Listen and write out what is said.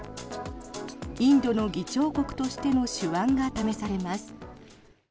インドの議長国としての手腕が試されます。